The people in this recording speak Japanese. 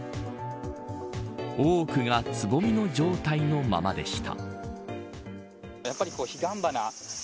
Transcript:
多くがつぼみの状態のままでした。